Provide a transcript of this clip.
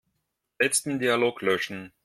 Letzten Dialog löschen.